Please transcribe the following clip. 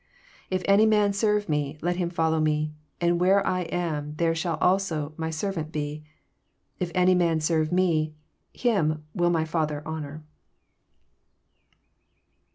26 If any man serve me,1et him fol low me; and where I am, there shall also my servant be: if any man serve me, him will my Father honour.